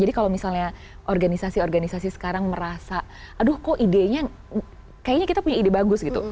jadi kalau misalnya organisasi organisasi sekarang merasa aduh kok idenya kayaknya kita punya ide bagus gitu